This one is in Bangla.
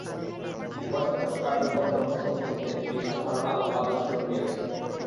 উপাসকেরও কার্যকর ধর্ম সম্বন্ধে নিজস্ব ধারণা ও আদর্শ রহিয়াছে।